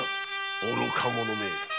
愚か者め。